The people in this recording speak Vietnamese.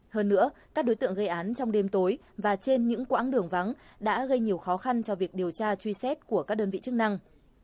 hơn nữa các đối tượng gây án trong đêm tối và trên những quãng đường vắng đã gây nhiều khó khăn cho việc điều tra truy xét của các đơn vị chức năng